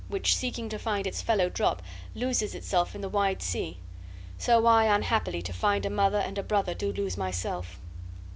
which, seeking to find its fellow drop, loses itself in the wide sea, So I, unhappily, to find a mother and a brother, do lose myself."